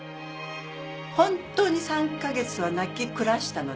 本当に３か月は泣き暮らしたので。